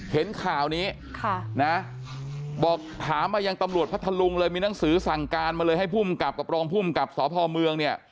เห็นข้านี้บอกถามไม่ยังตำรวจพลมีหนังสือสั่งการมาให้ผู้บำกับกับรองผู้บำกับสภเมือง